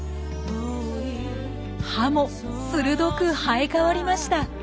歯も鋭く生え変わりました。